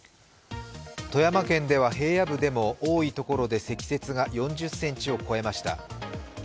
富山県では平野部でも多いところで積雪が４０ｃｍを超えました。